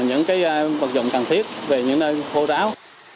những vật dụng cần thiết về những nơi khô ráo